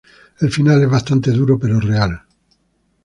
El final es bastante duro pero real.